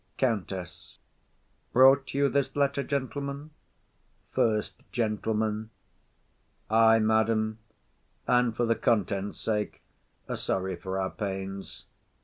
COUNTESS. Brought you this letter, gentlemen? FIRST GENTLEMAN. Ay, madam; And for the contents' sake, are sorry for our pains.